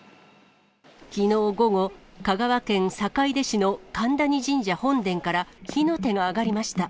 きのう午後、香川県坂出市の神谷神社本殿から火の手が上がりました。